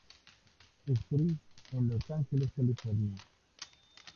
Street, en Los Ángeles, California.